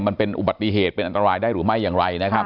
มันเป็นอุบัติเหตุเป็นอันตรายได้หรือไม่อย่างไรนะครับ